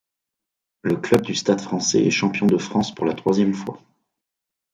Le club du Stade français est champion de France pour la troisième fois.